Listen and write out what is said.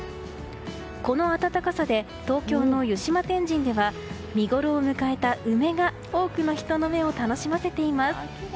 この暖かさで東京の湯島天神では見ごろを迎えた梅が多くの人の目を楽しませています。